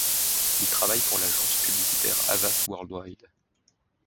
Il travaille pour l'agence publicitaire Havas Worldwide.